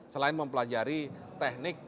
selain mempelajari teknik